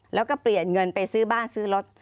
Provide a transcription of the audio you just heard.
แล้วก็เปลี่ยนเงินไปซื้อบ้านซื้อรถ